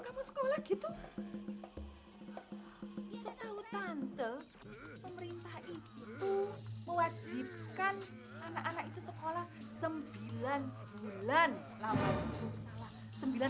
kamu sekolah gitu setahu tante pemerintah itu mewajibkan anak anak itu sekolah sembilan bulan lama sembilan